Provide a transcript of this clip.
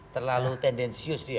terlalu tendensius dia